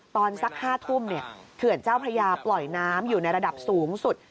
ตอนสัก๕ทุ่มเขื่อนเจ้าพระยาปล่อยน้ำอยู่ในระดับสูงสุด